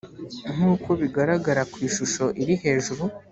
nk uko bigaragara ku ishusho iri hejuru